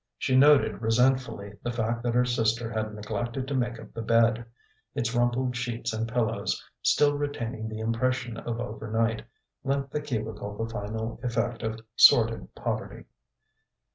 She noted resentfully the fact that her sister had neglected to make up the bed: its rumpled sheets and pillows, still retaining the impression of over night, lent the cubicle the final effect of sordid poverty.